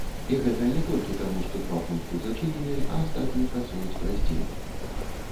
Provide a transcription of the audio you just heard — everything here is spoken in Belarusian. І гэта не толькі таму, што два пункты зачыненыя, а астатнія працуюць праз дзень.